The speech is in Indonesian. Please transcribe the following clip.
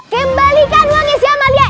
kembalikan uangnya si amalia